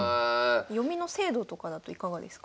読みの精度とかだといかがですか？